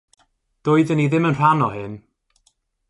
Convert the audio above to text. Doedden ni ddim yn rhan o hyn.